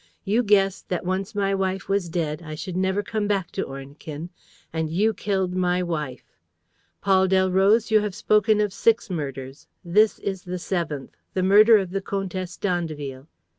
You guessed that, once my wife was dead, I should never come back to Ornequin; and you killed my wife. Paul Delroze, you have spoken of six murders. This is the seventh: the murder of the Comtesse d'Andeville."